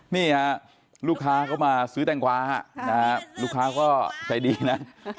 นี่ฮะลูกค้าก็มาซื้อแตงกวาลูกค้าก็ใจดีนะ